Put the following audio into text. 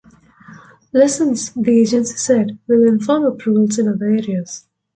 Lessons, the agency said, will inform approvals in other areas.